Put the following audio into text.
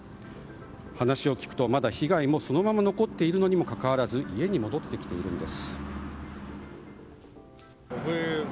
話を聞くとまだ被害もそのまま残っているにもかかわらず家に戻ってきているんです。